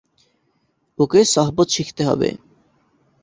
ওকে সহবত শিখতে হবে।